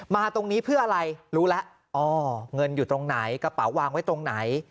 มาตรงนี้เพื่ออะไรรู้แล้วอ๋อเงินอยู่ตรงไหนกระเป๋าวางไว้ตรงไหน